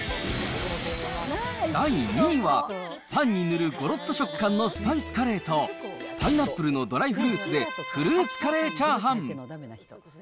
第２位は、パンに塗るごろっと食感のスパイスカレーと、パイナップルのドライフルーツでフルーツカレーチャーハン。